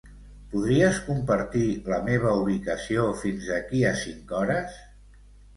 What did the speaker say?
Podries compartir la meva ubicació fins d'aquí a cinc hores?